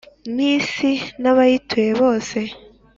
N isi n abayituye bose